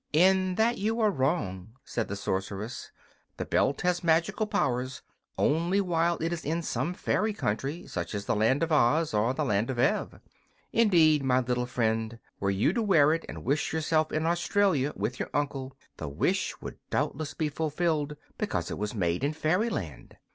"In that you are wrong," said the sorceress. "The belt has magical powers only while it is in some fairy country, such as the Land of Oz, or the Land of Ev. Indeed, my little friend, were you to wear it and wish yourself in Australia, with your uncle, the wish would doubtless be fulfilled, because it was made in fairyland.